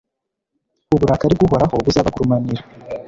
uburakari bw'uhoraho buzabagurumanira